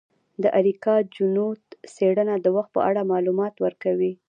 د اریکا چنووت څیړنه د وخت په اړه معلومات ورکوي.